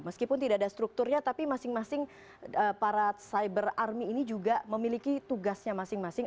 meskipun tidak ada strukturnya tapi masing masing para cyber army ini juga memiliki tugasnya masing masing